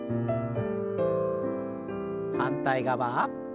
反対側。